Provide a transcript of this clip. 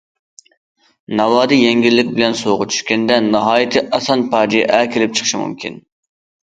ناۋادا يەڭگىللىك بىلەن سۇغا چۈشكەندە، ناھايىتى ئاسان پاجىئە كېلىپ چىقىشى مۇمكىن.